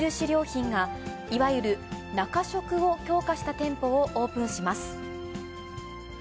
良品が、いわゆる中食を強化した店舗をオープンします。